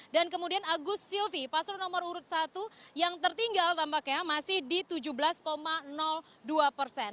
dan kemudian agus silvi paslon nomor urut satu yang tertinggal tampaknya masih di tujuh belas dua persen